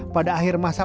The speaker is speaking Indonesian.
pada akhir masjid